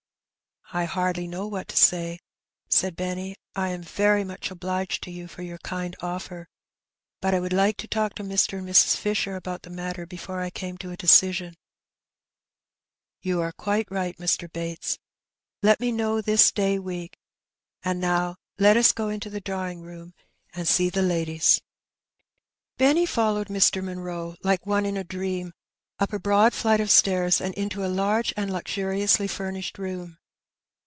^' ''I hardly know what to say/' said Benny. *'I am very much obliged to you for your kind oflfer, but I would like to talk with Mr. and Mrs. Fisher about the matter before I came to a decision.'* "You are quite right, Mr. Bates. Let me know this day week ; and now let us go into the drawing room and see the ladies." Benny followed Mr. Munroe like one in a dream up a broad flight of stairs, and into a large and luxuriously furnished room.